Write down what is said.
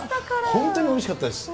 本当においしかったです。